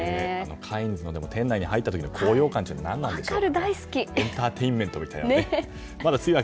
カインズの店内に入った時の高揚感というのは何なんでしょうね。